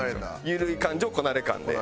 緩い感じを「こなれ感」で。